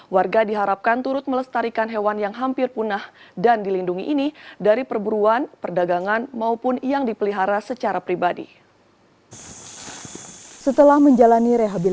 warga diharapkan turut melestarikan hewan yang hampir punah dan dilindungi ini dari perburuan perdagangan maupun yang dipelihara secara pribadi